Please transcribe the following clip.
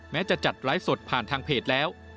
แม้จะจัดไลฟ์สดผ่านทางเพจแล้ว